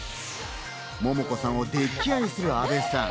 桃子さんを溺愛する阿部さん。